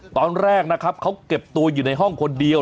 ตอนแรกนะครับเขาเก็บตัวอยู่ในห้องคนเดียว